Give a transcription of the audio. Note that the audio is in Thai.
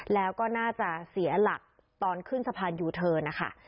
แล้วก็น่าจะเสียหลักตอนขึ้นสะพานยูเทิร์นนะคะ